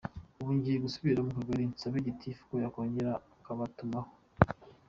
Ubu ngiye gusubira ku Kagari nsabe Gitifu ko yakongera akabatumaho.